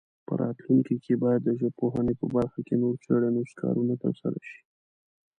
په راتلونکي کې باید د ژبپوهنې په برخه کې نور څېړنیز کارونه ترسره شي.